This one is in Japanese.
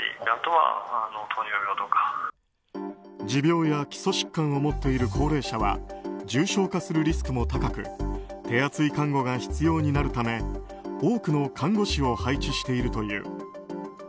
持病や基礎疾患を持っている高齢者は重症化するリスクも高く手厚い看護が必要となるため多くの看護師を配置しているという。